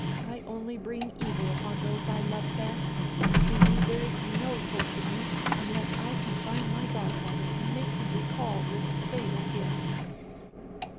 I only bring evil upon those I love best indeed, there is no hope for me unless I can find my godfather, and make him recall this fatal gift."